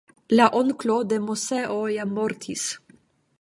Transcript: La onklo de Moseo ja mortis.